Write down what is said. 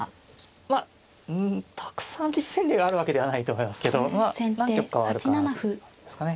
まあたくさん実戦例があるわけではないと思いますけど何局かはあるかなという感じですかね。